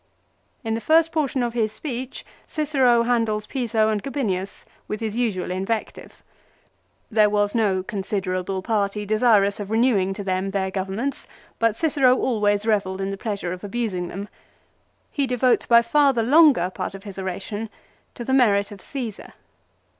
In the first portion of his speech Cicero handles Piso and Gabinius with his usual invective. There was no consider able party desirous of renewing to them their governments ; but Cicero always revelled in the pleasure of abusing them. He devotes by far the longer part of his oration to the merit of Caesar.